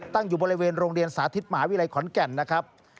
ตั้งอยู่บริเวณโรงเรียนสาธิตมหาวิทยาลัยขอนแก่นนะครับ